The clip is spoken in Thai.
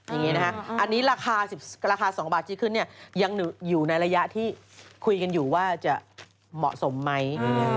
อย่างนี้นะคะอันนี้ราคา๒บาทที่ขึ้นเนี่ยยังอยู่ในระยะที่คุยกันอยู่ว่าจะเหมาะสมไหม